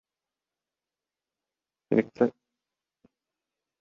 Милиционер тыкылдатканда, эшикти башкача көрүнгөн бир кыз ачты.